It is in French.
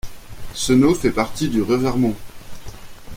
Senaud fait partie du Revermont.